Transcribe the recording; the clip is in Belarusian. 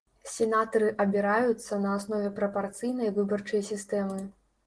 Сенатары абіраюцца на аснове прапарцыйнай выбарчай сістэмы.